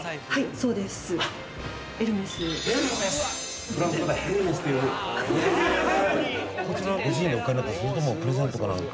それともプレゼントか何か。